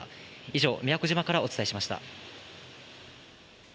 以上、宮古島からお伝えしました。